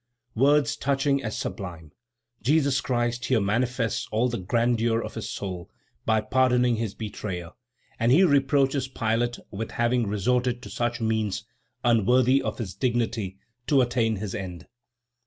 Words touching as sublime! Jesus Christ here manifests all the grandeur of his soul by pardoning his betrayer, and he reproaches Pilate with having resorted to such means, unworthy of his dignity, to attain his end.